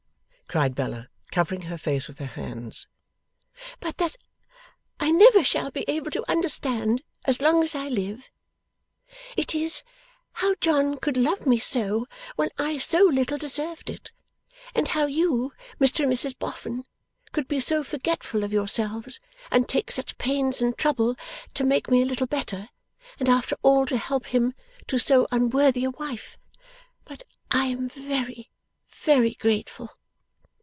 cried Bella, covering her face with her hands; 'but that I never shall be able to understand as long as I live. It is, how John could love me so when I so little deserved it, and how you, Mr and Mrs Boffin, could be so forgetful of yourselves, and take such pains and trouble, to make me a little better, and after all to help him to so unworthy a wife. But I am very very grateful.